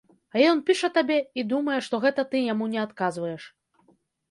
А ён піша табе, і думае, што гэта ты яму не адказваеш.